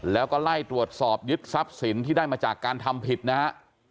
แล้วก็ไล่ตรวจสอบยึดทรัพย์สินที่ได้มาจากการทำผิดนะฮะ